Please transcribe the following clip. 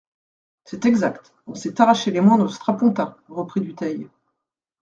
C'est exact, on s'est arraché les moindres strapontins, reprit Dutheil.